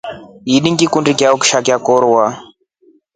Ini ngikundi chao kishaa chakorwa.